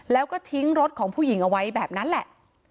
แล้วก็ทิ้งรถของผู้หญิงเอาไว้แบบนั้นแหละ